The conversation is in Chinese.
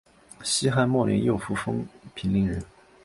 西汉末年右扶风平陵人。